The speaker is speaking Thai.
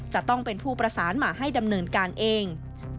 จะต้องเป็นผู้ประสานมาให้ดำเนินการเอง